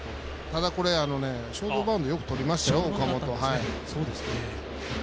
ただショートバウンドよくとりましたよ、岡本。